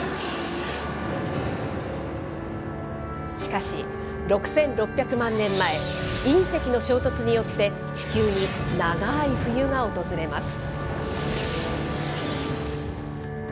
しかし、６６００万年前、隕石の衝突によって地球に長い冬が訪れます。